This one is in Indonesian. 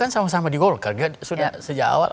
sama sama digol kahliah setia awal akar voyena kyorgaihih